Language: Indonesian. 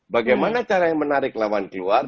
bagaimana cara yang menarik lawan keluar